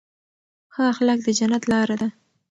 ښه اخلاق د جنت لاره ده.